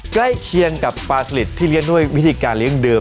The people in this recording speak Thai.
ใกล้เคียงกับปลาสลิดที่เลี้ยงด้วยวิธีการเลี้ยงเดิม